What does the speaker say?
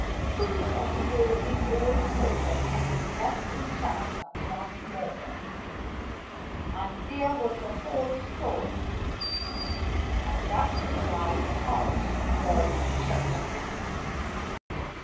Two trustworthy old servants had been left in charge at Mount Morven and there was the whole story; and that was why the house was shut up.